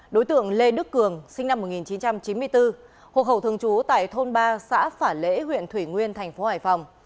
đối tượng lê đức cường sinh năm một nghìn chín trăm chín mươi bốn hộ khẩu thường trú tại thôn ba xã phả lễ huyện thủy nguyên thành phố hải phòng